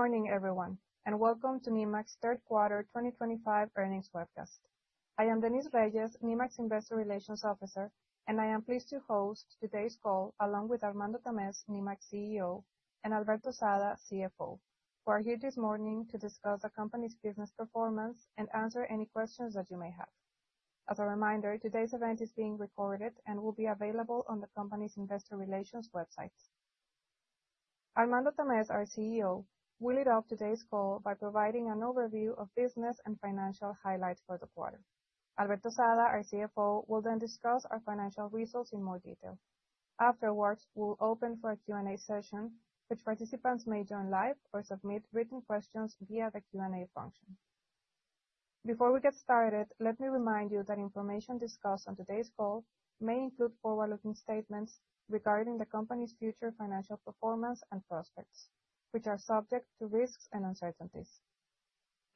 Good morning everyone and welcome to Nemak's Third Quarter 2025 Earnings Webcast. I am Denise Reyes, Nemak's Investor Relations Officer, and I am pleased to host today's call along with Armando Tamez, Nemak CEO, and Alberto Sada, CFO, who are here this morning to discuss the Company's business performance and answer any questions that you may have. As a reminder, today's event is being recorded and will be available on the Company's Investor Relations website. Armando Tamez, our CEO, will lead off today's call by providing an overview of business and financial highlights for the quarter. Alberto Sada, our CFO, will then discuss our financial results in more detail. Afterwards, we will open for a Q&A session which participants may join live or submit written questions via the Q&A function. Before we get started, let me remind you that information discussed on today's call may include forward-looking statements regarding the Company's future financial performance and prospects which are subject to risks and uncertainties.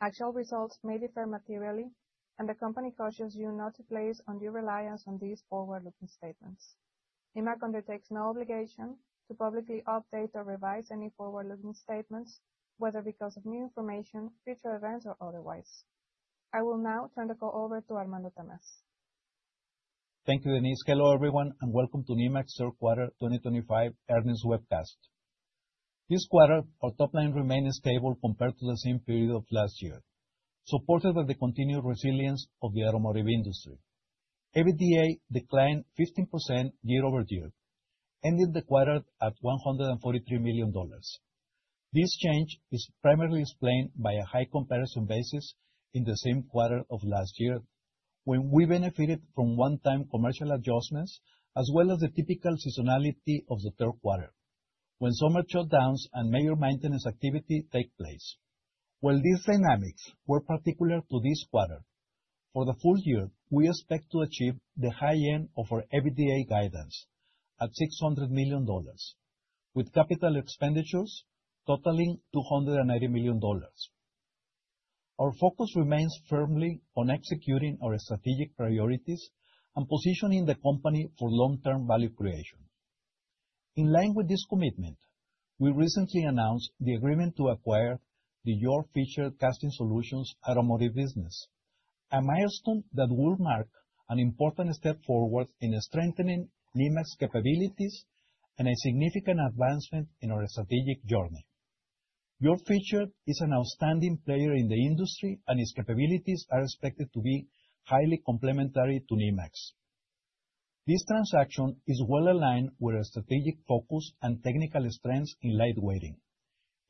Actual results may differ materially and the Company cautions you not to place undue reliance on these forward-looking statements. Nemak undertakes no obligation to publicly update or revise any forward-looking statements, whether because of new information, future events or otherwise. I will now turn the call over to Armando Tamez. Thank you, Denise. Hello, everyone, and welcome to Nemak's Third Quarter 2025 Earnings Webcast. This quarter our top line remained stable compared to the same period of last year. Supported by the continued resilience of the automotive industry, EBITDA declined 15% year-over-year, ending the quarter at $143 million. This change is primarily explained by a high comparison basis in the same quarter of last year when we benefited from one-time commercial adjustments as well as the typical seasonality of the third quarter when summer shutdowns and major maintenance activity take place. While these dynamics were particular to this quarter, for the full year we expect to achieve the high end of our EBITDA guidance at $600 million with capital expenditures totaling $280 million. Our focus remains firmly on executing our strategic priorities and positioning the company for long-term value creation. In line with this commitment, we recently announced the agreement to acquire the Georg Fischer Casting Solutions automotive business, a milestone that will mark an important step forward in strengthening Nemak's capabilities and a significant advancement in our strategic journey. Georg Fischer is an outstanding player in the industry and its capabilities are expected to be highly complementary to Nemak's. This transaction is well aligned with our strategic focus and technical strengths in lightweighting,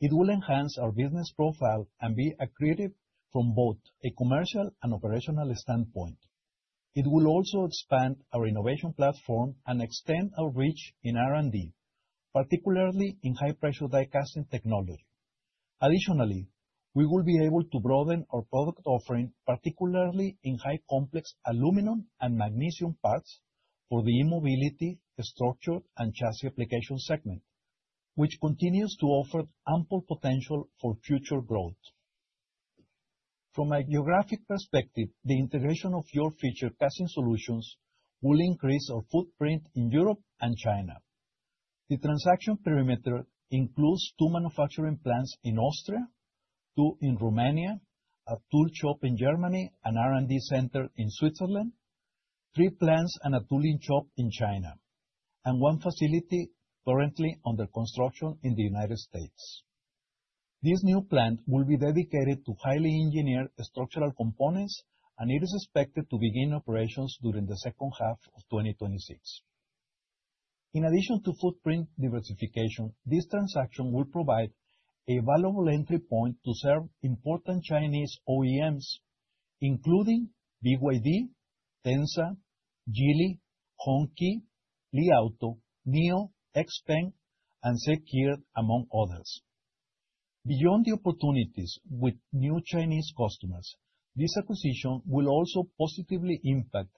it will enhance our business profile and be accretive from both a commercial and operational standpoint. It will also expand our innovation platform and extend our reach in R&D, particularly in high-pressure die casting technology. Additionally, we will be able to broaden our product offering, particularly in highly complex aluminum and magnesium parts for the e-mobility, structure, and chassis application segment, which continues to offer ample potential for future growth. From a geographic perspective, the integration of Georg Fischer Casting Solutions will increase our footprint in Europe and China. The transaction perimeter includes two manufacturing plants in Austria, two in Romania, a tool shop in Germany, an R&D center in Switzerland, three plants and a tooling shop in China, and one facility currently under construction in the United States. This new plant will be dedicated to highly engineered structural components and it is expected to begin operations during the second half of 2026. In addition to footprint diversification, this transaction will provide a valuable entry point to serve important Chinese OEMs, including BYD, Denza, Geely, Hongqi, Li Auto, Nio, XPeng, and Zeekr, among others. Beyond the opportunities with new Chinese customers, this acquisition will also positively impact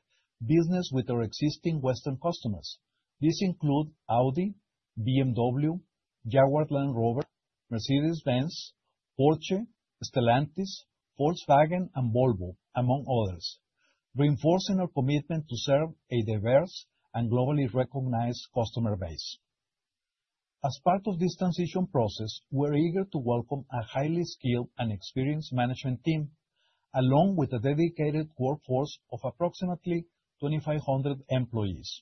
business with our existing Western customers. These include Audi, BMW, Jaguar Land Rover, Mercedes-Benz, Porsche, Stellantis, Volkswagen, and Volvo, among others, reinforcing our commitment to serve a diverse and globally recognized customer base. As part of this transition process, we're eager to welcome a highly skilled and experienced management team, along with a dedicated workforce of approximately 2,500 employees.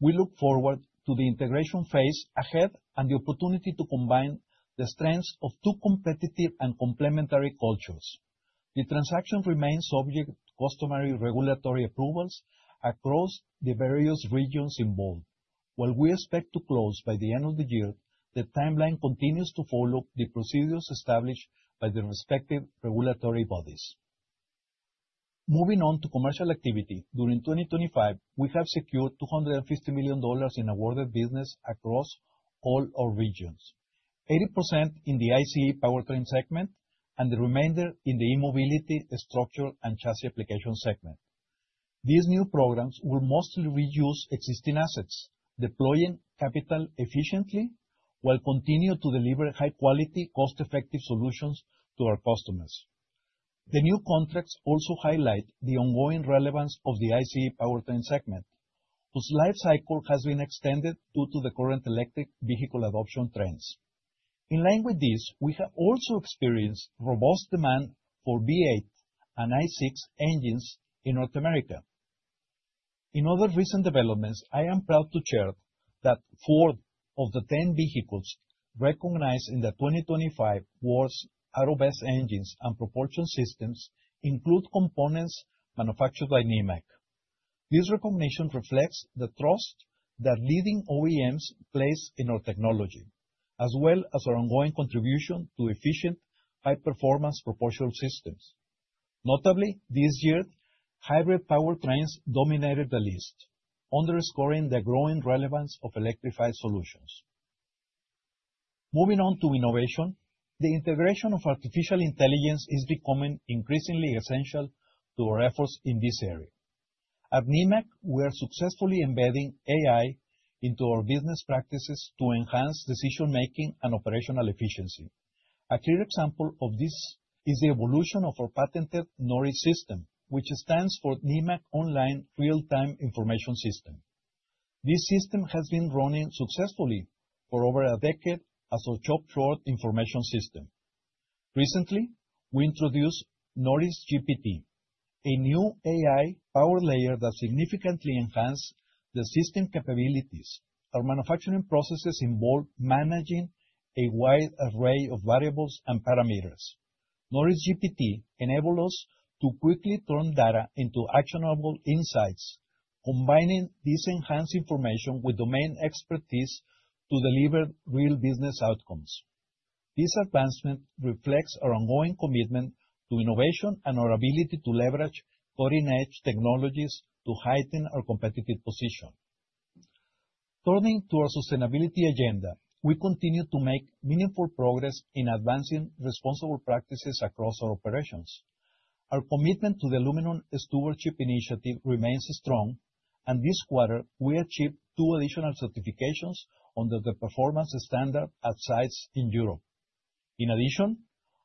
We look forward to the integration phase ahead and the opportunity to combine the strengths of two competitive and complementary cultures. The transaction remains subject to customary regulatory approvals across the various regions involved. While we expect to close by the end of the year, the timeline continues to follow the procedures established by the respective regulatory bodies. Moving on to commercial activity during 2025, we have secured $250 million in awarded business and across all our regions, 80% in the ICE Powertrain segment and the remainder in the e-mobility, structure, and chassis application segment. These new programs will mostly reuse existing assets, deploying capital efficiently while continuing to deliver high-quality, cost-effective solutions to our customers. The new contracts also highlight the ongoing relevance of the ICE Powertrain segment, whose life cycle has been extended due to the current electric vehicle adoption trends. In line with this, we have also experienced robust demand for V8 and I-6 engines in North America. In other recent developments, I am proud to share that four of the 10 vehicles recognized in the 2025 Wards 10 Best Engines & Propulsion Systems include components manufactured by Nemak. This recognition reflects the trust that leading OEMs place in our technology as well as our ongoing contribution to efficient high performance propulsion systems. Notably, this year, hybrid powertrains dominated the list, underscoring the growing relevance of electrified solutions. Moving on to Innovation, the integration of artificial intelligence is becoming increasingly essential to our efforts in this area. At Nemak, we are successfully embedding AI into our business practices to enhance decision making and operational efficiency. A clear example of this is the evolution of our patented NORIS system, which stands for Nemak Online Real Time Information System. This system has been running successfully for over a decade as a shop floor information system. Recently we introduced NORIS-GPT, a new AI-powered layer that significantly enhances the system capabilities. Our manufacturing processes involve managing a wide array of variables and parameters. NORIS-GPT enable us to quickly turn data into actionable insights, combining this enhanced information with domain expertise to deliver real business outcomes. This advancement reflects our ongoing commitment to innovation and our ability to leverage cutting-edge technologies to heighten our competitive position. Turning to our sustainability agenda, we continue to make meaningful progress in advancing responsible practices across our operations. Our commitment to the Aluminum Stewardship Initiative remains strong, and this quarter we achieved two additional certifications under the performance standard at sites in Europe. In addition,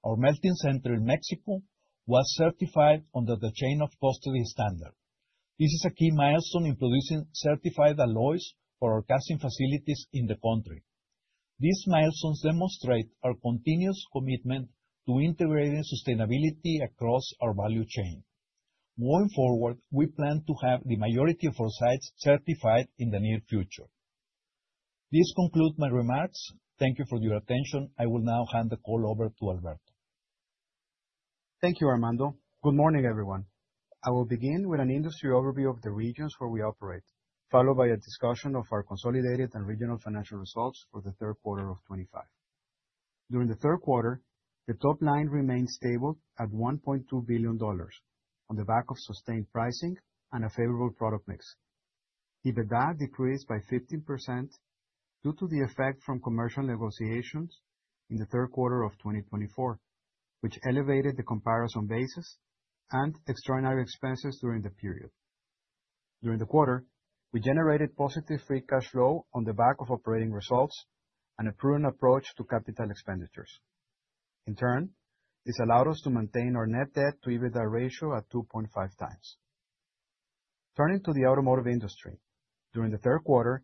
our melting center in Mexico was certified under the Chain of Custody Standard. This is a key milestone in producing certified alloys for our casting facilities in the country. These milestones demonstrate our continuous commitment to integrating sustainability across our value chain. Moving forward, we plan to have the majority of our sites certified in the near future. This concludes my remarks. Thank you for your attention. I will now hand the call over to Alberto. Thank you, Armando. Good morning everyone. I will begin with an industry overview of the regions where we operate, followed by a discussion of our consolidated and regional financial results for third quarter of 2025. During the third quarter, the top line remained stable at $1.2 billion on the back of sustained pricing and a favorable product mix. EBITDA decreased by 15% due to the effect from commercial negotiations in the third quarter of 2024, which elevated the comparison basis and extraordinary expenses during the period. During the quarter, we generated positive free cash flow on the back of operating results and a prudent approach to capital expenditures. In turn, this allowed us to maintain our net debt to EBITDA ratio at 2.5x. Turning to the automotive industry during the third quarter,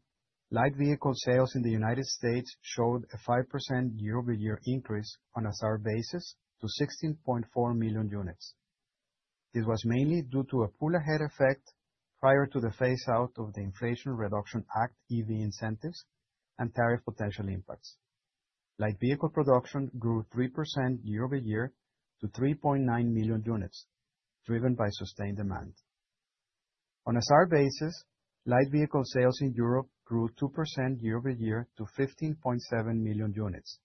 light vehicle sales in the United States showed a 5% year-over-year increase on a SAAR basis to 16.4 million units. This was mainly due to a pull ahead effect prior to the phase out of the Inflation Reduction Act incentives and tariff potential impacts. Light vehicle production grew 3% year-over-year to 3.9 million units, driven by sustained demand on a SAAR basis. Light vehicle sales in Europe grew 2% year-over-year to 15.7 million units.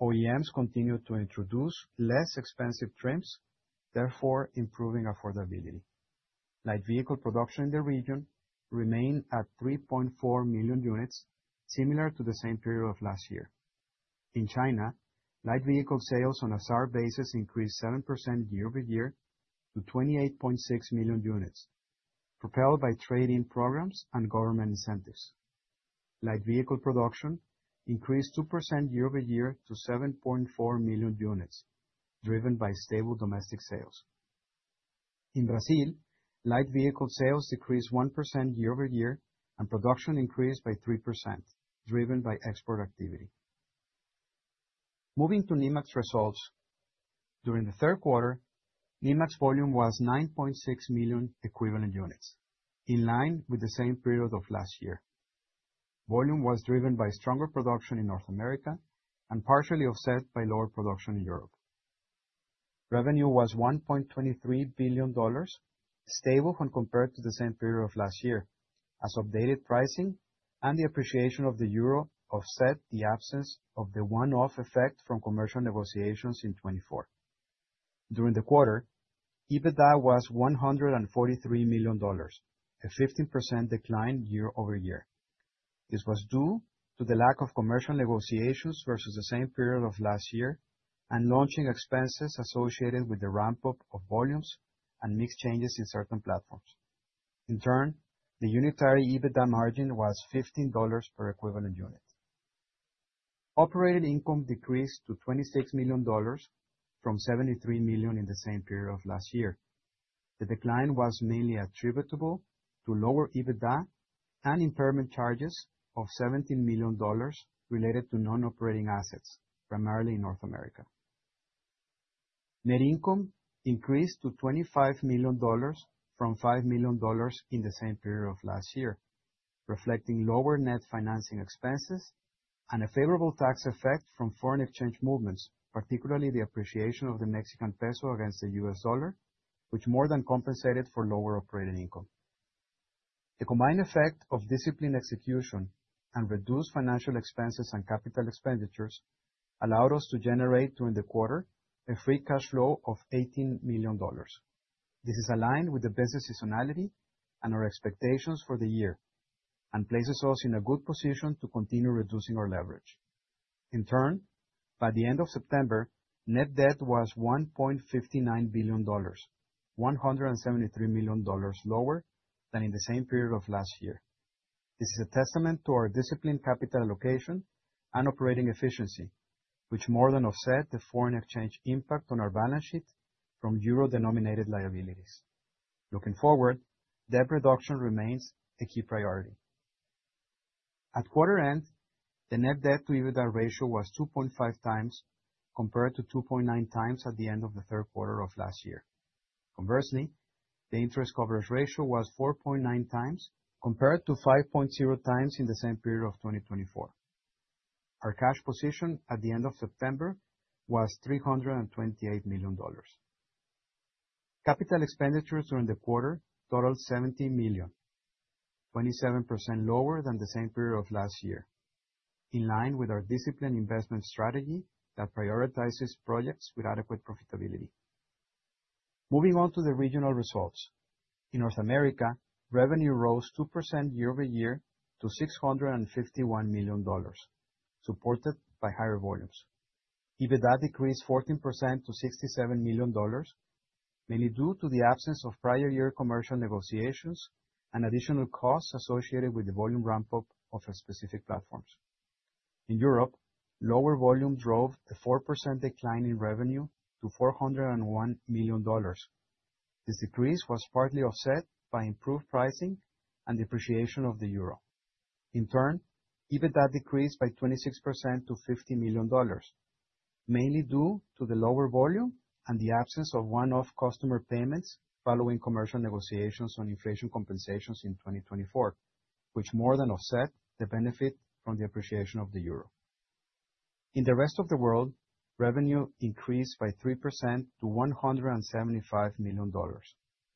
OEMs continue to introduce less expensive trims, therefore improving affordability. Light vehicle production in the region remained at 3.4 million units, similar to the same period of last year. In China, light vehicle sales on a SAAR basis increased 7% year-over-year to 28.6 million units, propelled by trade in programs and government incentives. Light vehicle production increased 2% year-over-year to 7.4 million units, driven by stable domestic sales. In Brazil, light vehicle sales decreased 1% year-over-year and production increased by 3% driven by export activity. Moving to Nemak's results during the third quarter, Nemak's volume was 9.6 million equivalent units in line with the same period of last year. Volume was driven by stronger production in North America and partially offset by lower production in Europe. Revenue was $1.23 billion, stable when compared to the same period of last year as updated pricing and the appreciation of the Euro offset the absence of the one-off effect from commercial negotiations in 2024. During the quarter, EBITDA was $143 million, a 15% decline year-over-year. This was due to the lack of commercial negotiations versus the same period of last year and launching expenses associated with the ramp-up of volumes and mixed changes in certain platforms. In turn, the unitary EBITDA margin was $15 per equivalent unit. Operating income decreased to $26 million from $73 million in the same period of last year. The decline was mainly attributable to lower EBITDA and impairment charges of $17 million related to non-operating assets, primarily in North America. Net income increased to $25 million from $5 million in the same period of last year, reflecting lower net financing expenses and a favorable tax effect from foreign exchange movements, particularly the appreciation of the Mexican peso against the U.S. dollar, which more than compensated for lower operating income. The combined effect of disciplined execution and reduced financial expenses and capital expenditures allowed us to generate during the quarter a free cash flow of $18 million. This is aligned with the business seasonality and our expectations for the year and places us in a good position to continue reducing our leverage. In turn, by the end of September, net debt was $1.59 billion, $173 million lower than in the same period of last year. This is a testament to our disciplined capital allocation and operating efficiency which more than offset the foreign exchange impact on our balance sheet from euro-denominated liabilities. Looking forward, debt reduction remains a key priority. At quarter end, the net debt to EBITDA ratio was 2.5x compared to 2.9x at the end of 3Q last year. Conversely, the interest coverage ratio was 4.9x compared to 5.0x in the same period of 2024. Our cash position at the end of September was $328 million. Capital expenditures during the quarter totaled $17 million, 27% lower than the same period of last year, in line with our disciplined investment strategy that prioritizes projects with adequate profitability. Moving on to the regional results in North America, revenue rose 2% year-over-year to $651 million supported by higher volumes. EBITDA decreased 14% to $67 million mainly due to the absence of prior year commercial negotiations and additional costs associated with the volume ramp up of specific platforms. In Europe, lower volume drove the 4% decline in revenue to $401 million. This decrease was partly offset by improved pricing and depreciation of the euro. In turn, EBITDA decreased by 26% to $50 million mainly due to the lower volume and the absence of one-off customer payments. Following commercial negotiations on inflation compensations in 2024, which more than offset the benefit from the appreciation of the euro. In the rest of the world, revenue increased by 3% to $175 million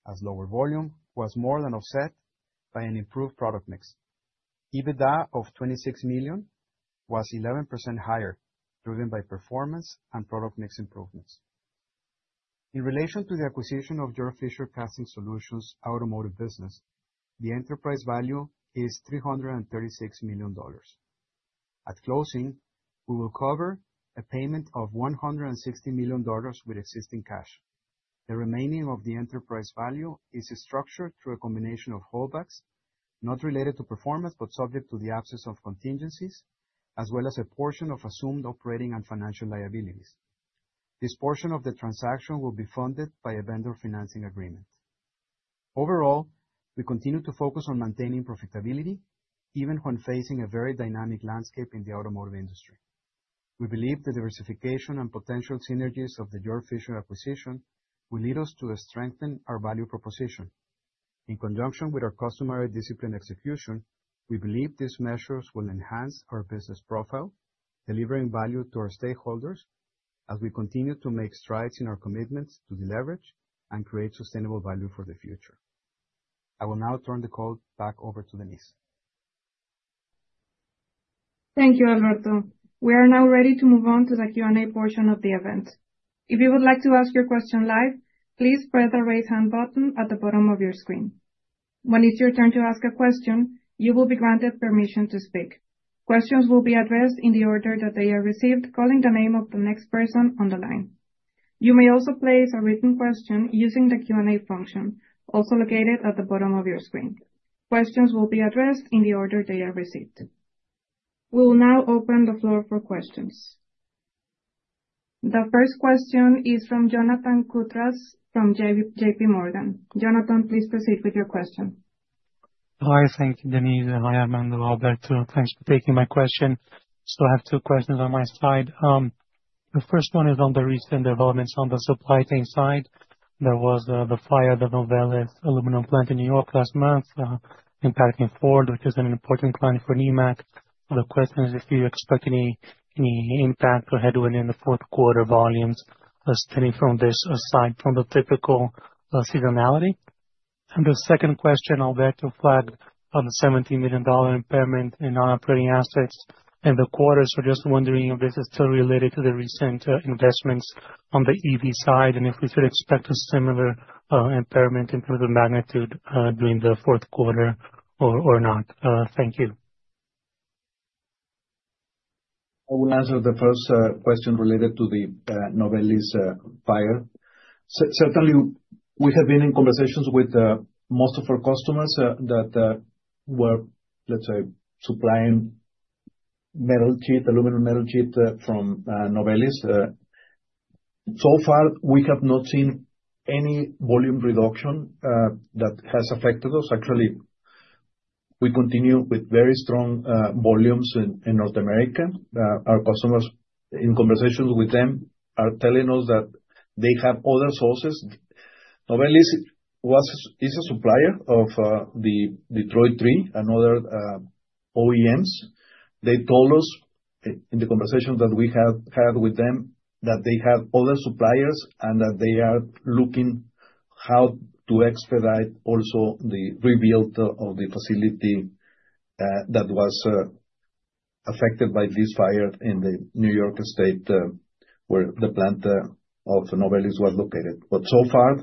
as lower volume was more than offset by an improved product mix. EBITDA of $26 million was 11% higher, driven by performance and product mix improvements. In relation to the acquisition of Georg Fischer Casting Solutions automotive business, the enterprise value is $336 million. At closing we will cover a payment of $160 million with existing cash. The remaining of the enterprise value is structured through a combination of holdbacks not related to performance but subject to the absence of contingencies as well as a portion of assumed operating and financial liabilities. This portion of the transaction will be funded by a vendor financing agreement. Overall, we continue to focus on maintaining profitability even when facing a very dynamic landscape in the automotive industry. We believe the diversification and potential synergies of the Georg Fischer acquisition will lead us to strengthen our value proposition in conjunction with our customary disciplined execution. We believe these measures will enhance our business profile, delivering value to our stakeholders as we continue to make strides in our commitments to deleverage and create sustainable value for the future. I will now turn the call back over to Denise. Thank you, Alberto. We are now ready to move on to the Q&A portion of the event. If you would like to ask your question live, please press the raise hand button at the bottom of your screen. When it's your turn to ask a question, you will be granted permission to speak. Questions will be addressed in the order that they are received. Calling the name of the next person on the line. You may also place a written question using the Q&A function also located at the bottom of your screen. Questions will be addressed in the order they are received. We will now open the floor for questions. The first question is from Jonathan Koutras from J.P. Morgan. Jonathan, please proceed with your question. Hi. Thank you, Denise. Hi, Armando. Alberto, thanks for taking my question, so I have two questions on my slide. The first one is on the recent developments on the supply chain side. There was the fire of the Novelis aluminum plant in New York last month impacting Ford, which is an important client for Nemak. The question is if you expect any impact or headwind in the fourth quarter volumes steady from this, aside from the typical seasonality, and the second question, I'll bet you flag the $17 million impairment in non-operating assets in the quarters. We're just wondering if this is still related to the recent investments on the EV side and if we should expect a similar impairment in terms of magnitude during the fourth quarter or not. Thank you. I will answer the first question related to the Novelis fire. Certainly we have been in conversations with most of our customers that were, let's say, supplying metal, sheet aluminum, metal chip from Novelis. So far we have not seen any volume reduction that has affected us. Actually, we continue with very strong volumes in North America. Our customers in conversations with them are telling us that they have other sources. Novelis was, is a supplier of the Detroit Three and other OEMs. They told us in the conversation that we had with them that they had other suppliers and that they are looking how to expedite also the rebuild of the facility that was affected by this fire in the New York State where the plant of Novelis was located. But so far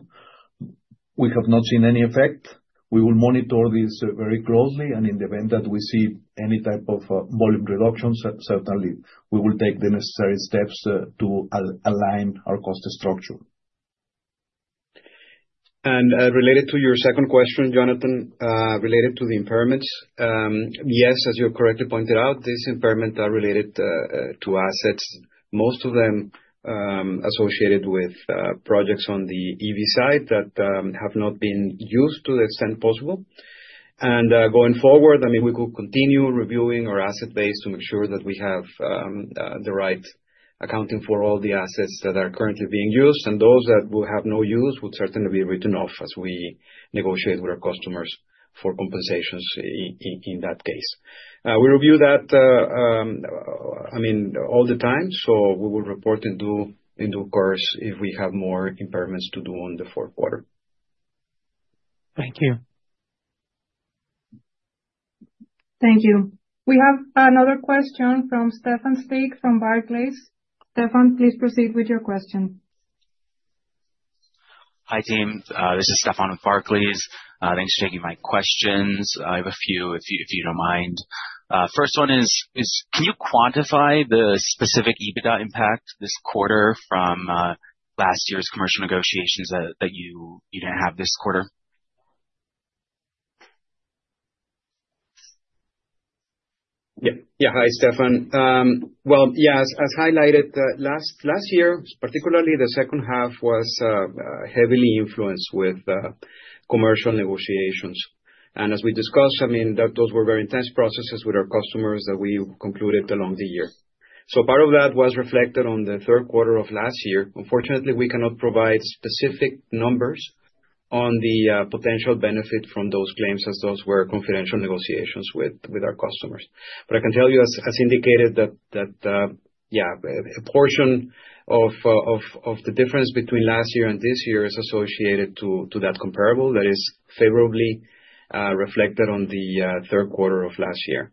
we have not seen any effect. We will monitor this very closely and in the event that we see any type of volume reductions, certainly we will take the necessary steps to align our cost structure. And related to your second question, Jonathan, related to the impairments. Yes, as you correctly pointed out, these impairments are related to assets, most of them associated with projects on the EV side that have not been used to the extent possible. And going forward, I mean, we could continue reviewing our asset base to make sure that we have the right accounting for all the assets that are currently being used. And those that will have no use would certainly be written off as we negotiate with our customers for compensations. In that case, we review that, I. Mean, all the time. We will report and do in due course if we have more impairments to do on the fourth quarter. Thank you. Thank you. We have another question from Stefan Styk from Barclays. Stefan, please proceed with your question. Hi team, this is Stefan with Barclays. Thanks for taking my questions. I have a few, if you don't mind. First one is, can you quantify the specific EBITDA impact this quarter from last year's commercial negotiations that you didn't have this quarter? Yeah, yeah. Hi, Stefan. Well, yes, as highlighted last year, particularly the second half was heavily influenced with commercial negotiations, and as we discussed, I mean, those were very intense processes with our customers that we concluded along the year, so part of that was reflected on the third quarter of last year. Unfortunately, we cannot provide specific numbers on the potential benefit from those claims as those were confidential negotiations with our customers, but I can tell you as indicated that, yeah, a portion of the difference between last year and this year is associated to that comparable that is favorably reflected on the third quarter of last year.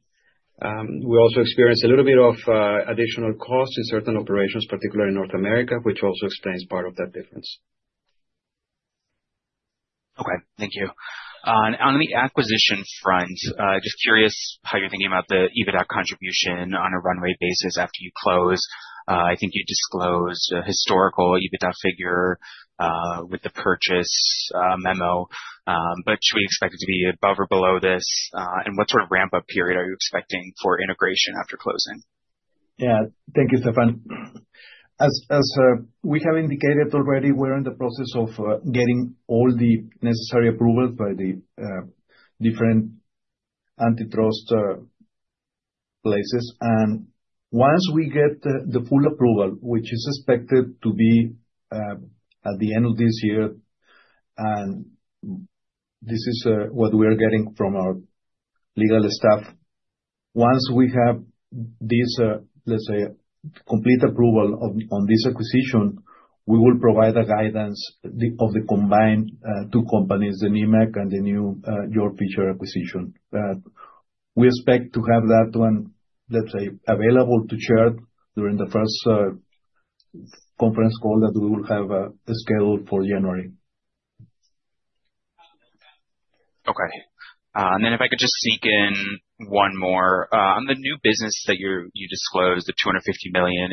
We also experienced a little bit of additional cost in certain operations, particularly in North America, which also explains part of that difference. Okay, thank you. On the acquisition front, just curious how you're thinking about the EBITDA contribution on a run-rate basis after you close? I think you disclosed a historical EBITDA figure with the purchase memo, but should we expect it to be above or below this? and what sort of ramp up period are you expecting for integration after closing? Yeah, thank you, Stefan. As we have indicated already, we're in the process of getting all the necessary approvals by the different antitrust places, and once we get the full approval, which is expected to be at the end of this year, and this is what we are getting from our legal staff, once we have this, let's say, complete approval on this acquisition, we will provide a guidance of the combined two companies, the Nemak and the Georg Fischer acquisition. We expect to have that one, let's say, available to share during the first conference call that we will have scheduled for January. Okay, and then if I could just sneak in one more on the new business that you disclosed, the $250 million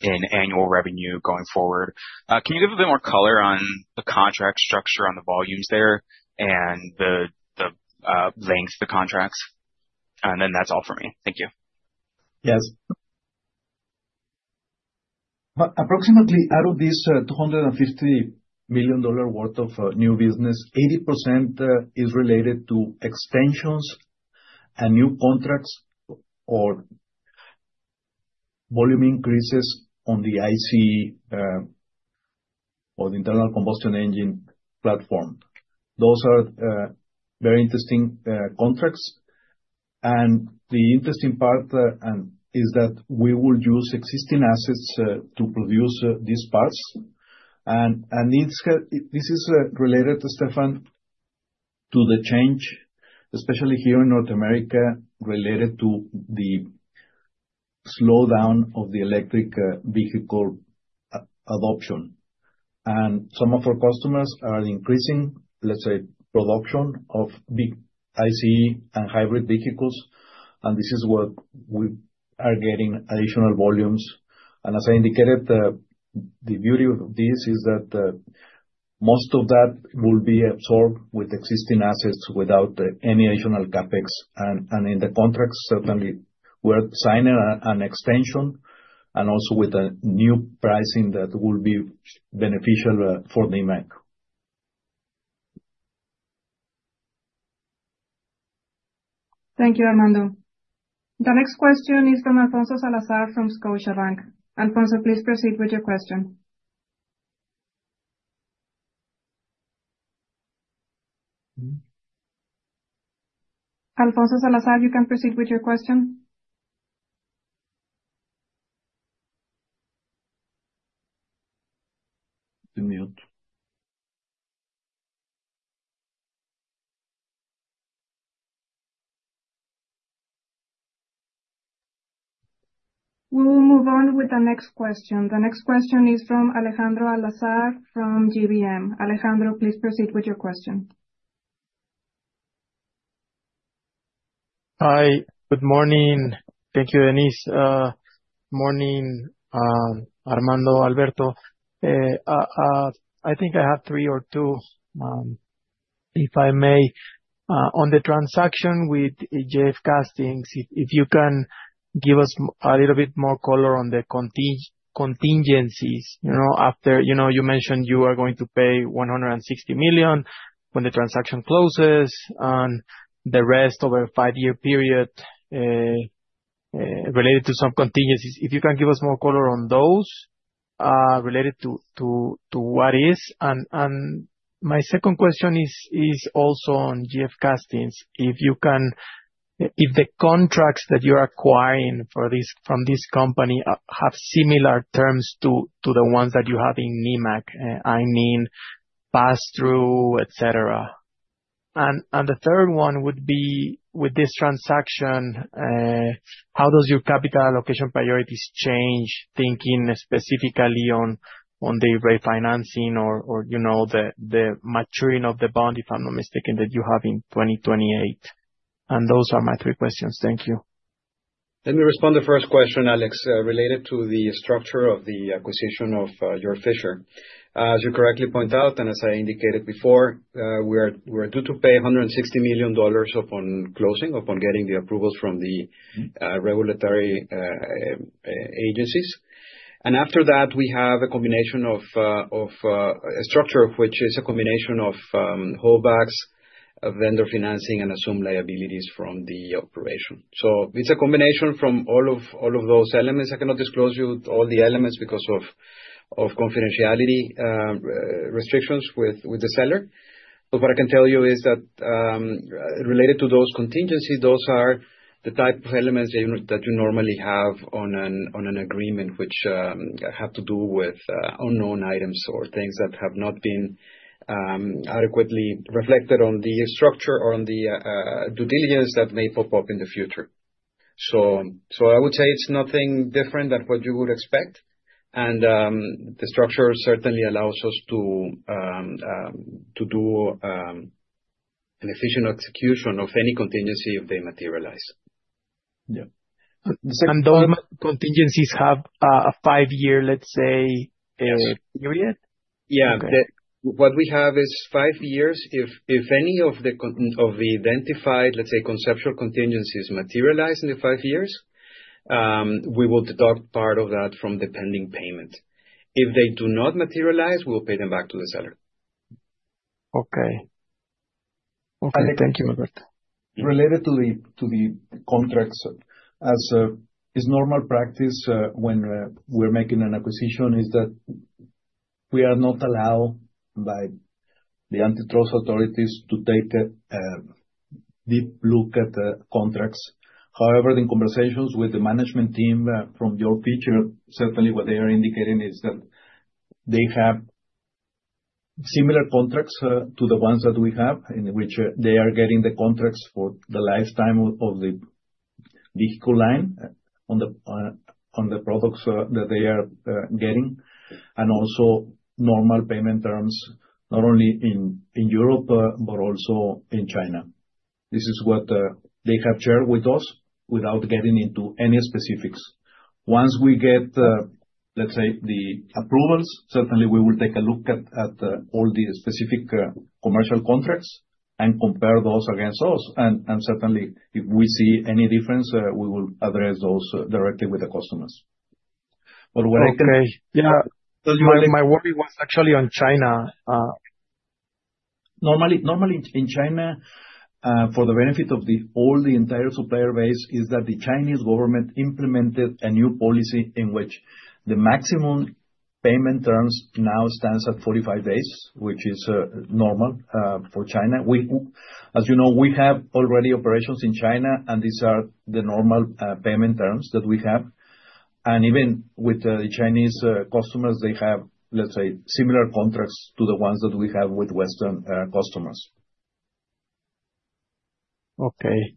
in annual revenue going forward, can you give a bit more color on the contract structure on the volumes there and the length the contracts, and then that's all for me. Thank you. Yes. Approximately out of this $250 million worth of new business, 80% is related. To extensions and new contracts or. Volume increases on the ICE. Or the internal combustion engine platform. Those are very interesting contracts. And the interesting part is that we will use existing assets to produce these parts. This is related, Stefan, to the change, especially here in North America, related to the slowdown of the electric vehicle adoption. And some of our customers are increasing, let's say, production of big ICE and hybrid vehicles. And this is what we are getting additional volumes and, as I indicated, the beauty of this is that most of that will be absorbed with existing assets without any additional CapEx. And in the contracts, certainly we're signing an extension and also with a new pricing that will be beneficial for Nemak. Thank you, Armando. The next question is from Alfonso Salazar from Scotiabank. Alfonso, please proceed with your question. Alfonso Salazar, you can proceed with your question. We will move on with the next question. The next question is from Alejandro Azar from GBM. Alejandro, please proceed with your question. Hi, good morning. Thank you, Denise. Morning, Armando. Alberto. I think I have three or two. If I may, on the transaction with GF Castings. If you can give us a little bit more color on the contingencies, you know, after, you know, you mentioned you are going to pay $160 million when the transaction closes and the rest over a five-year period? Related to some contingencies. If you can give us more color on those related to what is. And my second question is also on GF Castings. If the contracts that you're acquiring from this company have similar terms to the. Ones that you have in Nemak, I. Mean pass through, etc. And the third one would be with this transaction, how does your capital allocation priorities change? Thinking specifically on the refinancing or the maturing of the bond, if I'm not mistaken, that you have in 2028, and those are my three questions. Thank you. Let me respond to the first question, Alex, related to the structure of the acquisition of Georg Fischer. As you correctly point out, and as I indicated before, we are due to pay $160 million upon closing, upon getting the approvals from the regulatory agencies and after that we have a combination of a structure which is a combination of holdbacks, vendor financing and assumed liabilities from the operation. So it's a combination from all of those elements. I cannot disclose to you all the elements because of confidentiality restrictions with the seller. But what I can tell you is. That relates to those contingencies. Those are the type of elements that you normally have on an agreement which have to do with unknown items or things that have not been adequately reflected on the structure or on the due diligence that may pop up in the future, so I would say it's nothing different. Than what you would expect. The structure certainly allows us to. Do an efficient execution of any contingency if they materialize. Yeah. And those contingencies have a five-year, let's say, period. Yeah. What we have is five years. If any of the identified, let's say, conceptual contingencies materialize in the five years, we will deduct part of that from the pending payment. If they do not materialize, we will pay them back to the seller. Okay. Okay. Thank you. Related to the contracts, as is normal practice when we're making an acquisition, is that we are not allowed by the antitrust authorities to take. Deep look at contracts. However, in conversations with the management team from Georg Fischer, certainly what they are indicating is that they have similar contracts to the ones that we have in which they are getting the contracts for the lifetime of the vehicle line on the products that they are getting, and also normal payment terms not only in. Europe, but also in China. This is what they have shared with us. Without getting into any specifics, once we get, let's say, the approvals, certainly we will take a look at all the specific commercial contracts and compare those against us, and certainly if we see any difference, we will address those directly with the customers. Okay. Yeah. My worry was actually on China. Normally. In China, for the benefit of all, the entire supplier base, is that the Chinese government implemented a new policy in which the maximum payment terms now stands at 45 days, which is normal for China. As you know, we have already operations. In China and these are the normal payment terms that we have. And even with the Chinese customers, they have, let's say, similar contracts to the ones that we have with Western customers. Okay.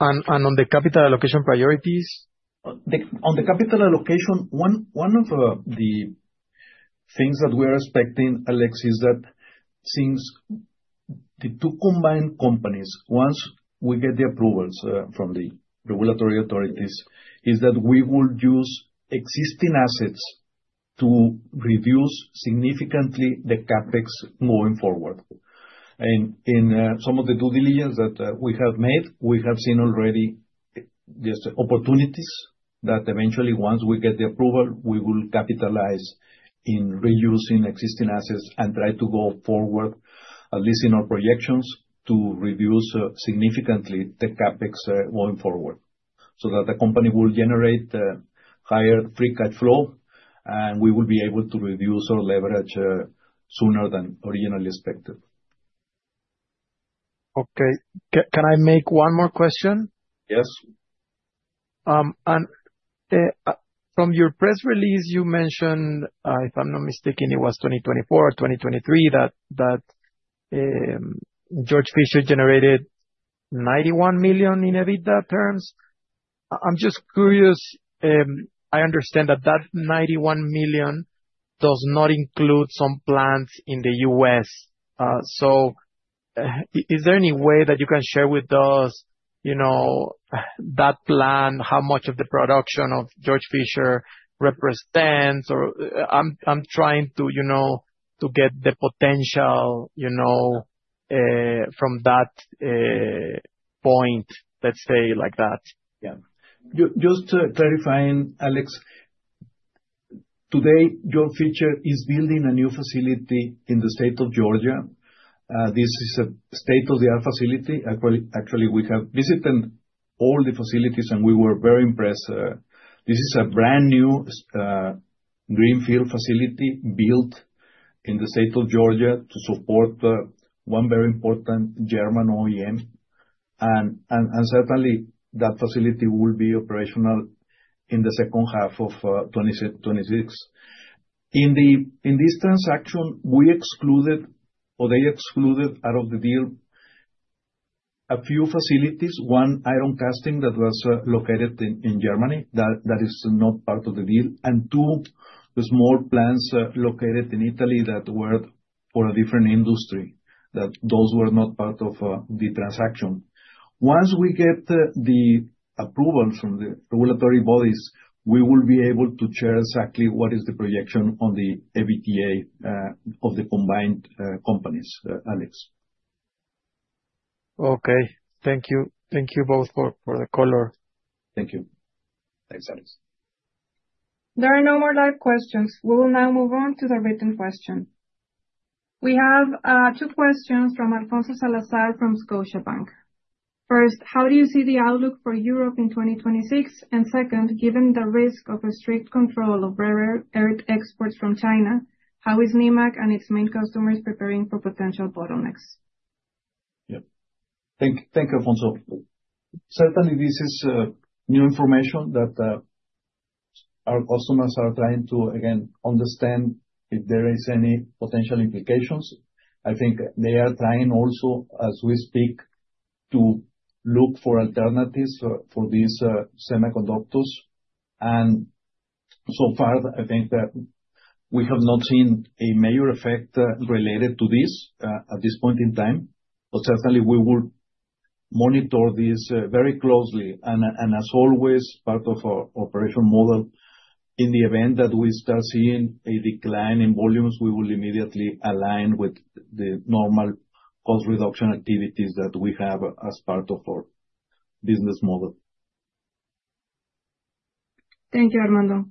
And on the capital allocation priorities. The capital allocation, one of the things. What we are expecting, Alex, is that since the two combined companies, once we get the approvals from the regulatory authorities, we will use existing assets to reduce significantly the CapEx moving forward, and in some of the due diligence that we have made, we have seen already opportunities that eventually, once we get the approval, we will capitalize on reusing existing assets and try to go forward, at least in our projections, to reduce significantly the CapEx going forward so that the company will generate higher free cash flow and we will be able to reduce our leverage sooner than originally expected. Okay. Can I make one more question? Yes. From your press release, you mentioned, if I'm not mistaken, it was 2024 or 2023 that. Georg Fischer generated $91 million in EBITDA terms. I'm just curious. I understand that that $91 million does not include some plants in the U.S., so is there any way that you can share with us, you know, that plant, how much of the production of Georg Fischer represents, or I'm trying to, you know, to get the potential, you know, from that point, let's say like that. Yeah. Just clarifying. Alex. Georg Fischer is building a new facility in the state of Georgia. This is a state-of-the-art facility. Actually, we have visited all the facilities and we were very impressed. This is a brand-new greenfield facility built in the state of Georgia to support one very important German OEM, and certainly that facility will be operational in the second half of 2026. In this transaction, we excluded or they excluded out of the deal a few facilities. One iron casting that was located in Germany, that is not part of the deal, and two small plants located in Italy that were for a different industry, that those were not part of the transaction. Once we get the approvals from the regulatory bodies, we will be able to share exactly what is the projection on the EBITDA of the combined companies. Alex. Okay, thank you. Thank you both for the color. Thank you. Thanks, Alex. There are no more live questions. We will now move on to the written question. We have two questions from Alfonso Salazar from Scotiabank. First, how do you see the outlook for Europe in 2026? And second, given the risk of a strict control of rare earth exports from China, how is Nemak and its main customers preparing for potential bottlenecks? Yeah, thank you, Alfonso. Certainly this is new information that our customers are trying to again understand if there is any potential implications. I think they are trying also as we speak to look for alternatives for these semiconductors. And so far I think that we have not seen a major effect related to this at this point in time. But certainly we will monitor this very closely and as always, part of our operation model. In the event that we start seeing a decline in volumes, we will immediately align with the normal cost reduction activities that we have as part of our business model. Thank you, Armando.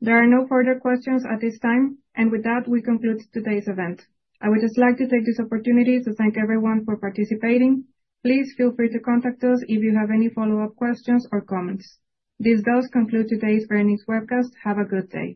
There are no further questions at this time. And with that, we conclude today's event. I would just like to take this opportunity to thank everyone for participating. Please feel free to contact us if you have any follow up questions or comments. This does conclude today's earnings webcast. Have a good day.